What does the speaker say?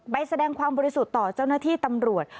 ไปแสดงความบริสุทธิ์ต่อเจ้าหน้าที่ตำรวจ